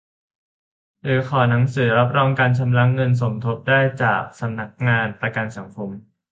หรือขอหนังสือรับรองการชำระเงินสมทบได้จากสำนักงานประกันสังคม